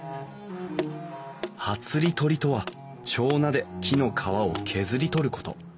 はつり取りとは手斧で木の皮を削り取ること。